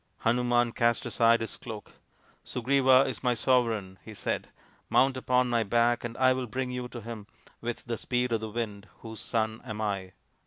Hanuman cast aside his cloak. " Sugriva is my sovereign," he said. " Mount upon my back and I will bring you to him with the speed of the Wind whose son am I."